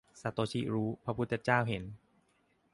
- ซาโตชิรู้พระพุทธเจ้าเห็น